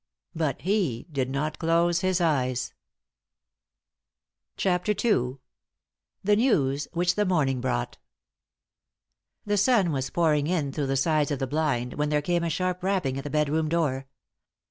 But he did not close his eyes. 3i 9 iii^d by Google THE NEWS WHICH THE MORNING BROUGHT The sun was pouring in through the sides of the blind when there came a sharp rapping at the bedroom door.